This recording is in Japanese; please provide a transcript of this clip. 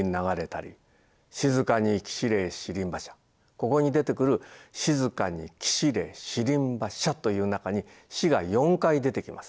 ここに出てくる「しづかにきしれ四輪馬車」という中に「し」が４回出てきます。